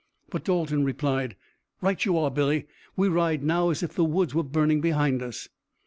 But Dalton replied: "Right you are, Billy. We ride now as if the woods were burning behind us."